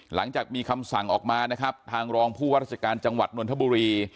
หลังจากมีคำสั่งออกมานะครับทางรองผู้ว่าราชการจังหวัดนทบุรี